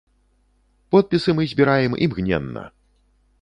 Подпісы мы збіраем імгненна!